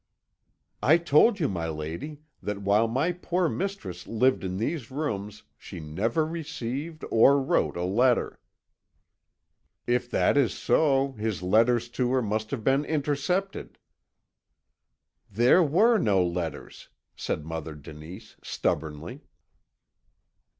"I told you, my lady, that while my poor mistress lived in these rooms she never received or wrote a letter." "If that is so, his letters to her must have been intercepted." "There were no letters," said Mother Denise, stubbornly.